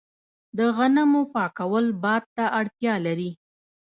د غنمو پاکول باد ته اړتیا لري.